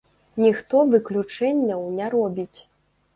Ніхто выключэнняў не робіць.